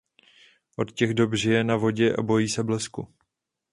Od těch dob žije na vodě a bojí se blesku.